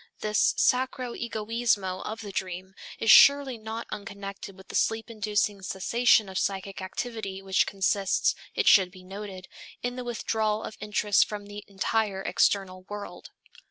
This sacro egoismo of the dream is surely not unconnected with the sleep inducing cessation of psychic activity which consists, it should be noted, in the withdrawal of interest from the entire external world.